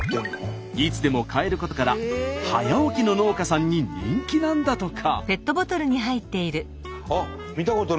いつでも買えることから早起きの農家さんに人気なんだとか。